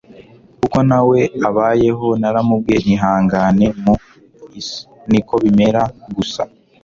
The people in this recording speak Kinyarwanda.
uko nawe abayeho naramubwiye nti ihangane mu is niko bimera gusa